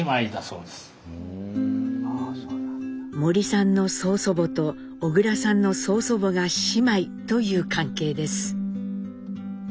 森さんの曽祖母と小倉さんの曽祖母が姉妹という関係です。